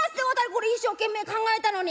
これ一生懸命考えたのに。